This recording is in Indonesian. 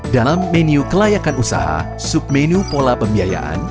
dalam menu kelayakan usaha submenu pola pembiayaan